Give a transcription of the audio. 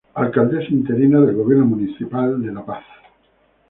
Alcaldesa interina del Gobierno Municipal de La Paz.